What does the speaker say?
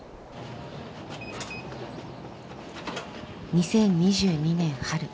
２０２２年春。